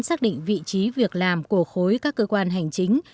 xác định vị trí việc làm của khối các cơ quan hành chính